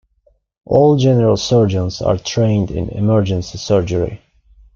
All general surgeons are trained in emergency surgery.